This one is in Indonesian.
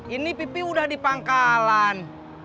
ini pipi udah dipangkalan